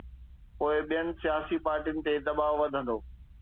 پوءِ ٻين سياسي پارٽين تي دٻاءُ وڌندو.